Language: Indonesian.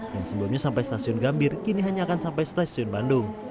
yang sebelumnya sampai stasiun gambir kini hanya akan sampai stasiun bandung